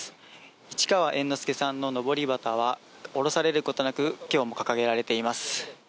市川猿之助さんののぼり旗はおろされることなく今日も掲げられています。